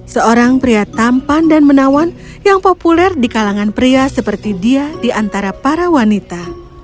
seorang pria tampan dan menawan yang populer di kalangan pria seperti dia di antara para wanita